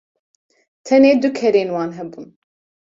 tenê du kerên wan hebûn